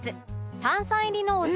炭酸入りのお茶